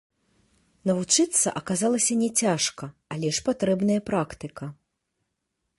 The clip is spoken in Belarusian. Навучыцца аказалася няцяжка, але ж патрэбная практыка.